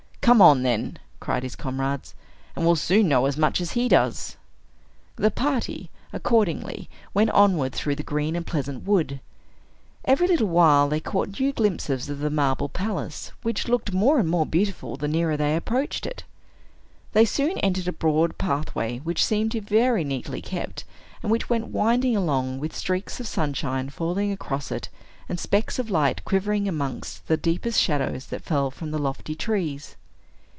"Come on, then," cried his comrades, "and we'll soon know as much as he does." The party, accordingly, went onward through the green and pleasant wood. Every little while they caught new glimpses of the marble palace, which looked more and more beautiful the nearer they approached it. They soon entered a broad pathway, which seemed to be very neatly kept, and which went winding along, with streaks of sunshine falling across it and specks of light quivering among the deepest shadows that fell from the lofty trees.